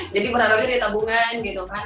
jadi menaruhnya di tabungan gitu kan